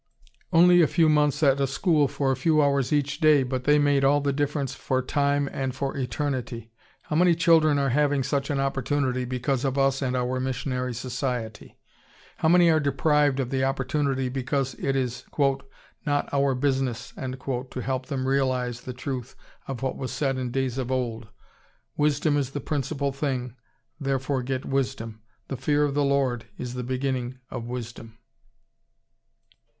Only a few months at school for a few hours of each day, but they made all the difference for time and for eternity! How many children are having such an opportunity because of us and our missionary society? How many are deprived of the opportunity because it is "not our business" to help them realize the truth of what was said in days of old, "Wisdom is the principal thing, therefore get wisdom. The fear of the Lord is the beginning of wisdom."